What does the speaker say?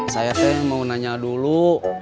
saya sih mau nanya dulu